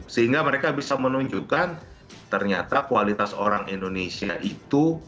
sehingga mereka bisa menunjukkan ternyata kualitas orang indonesia itu